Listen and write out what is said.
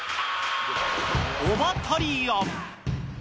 オバタリアン。